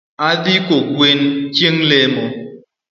Adhi kogwen chieng’ lemo